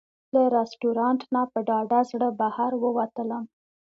له رسټورانټ نه په ډاډه زړه بهر ووتلم.